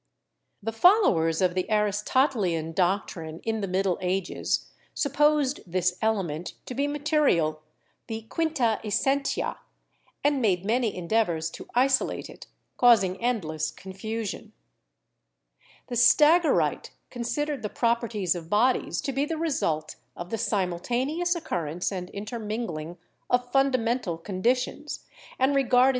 The followers of the Aristotelian doctrine in the Middle Ages supposed this 'element' to be material, the 'quinta essentia/ and made many endeavors to isolate it, causing endless confusion. The Stagirite considered the properties of bodies to be the result of the simultaneous occurrence and intermingling of fundamental conditions, and regarded ■Aristotle and His Students.